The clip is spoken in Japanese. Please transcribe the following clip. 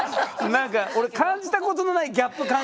何か俺感じたことのないギャップ感じてるから。